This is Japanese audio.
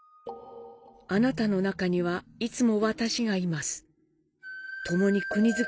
「あなたの中にはいつも私がいます。